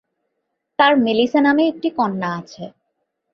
তার মেলিসা নামে একটি কন্যা আছে।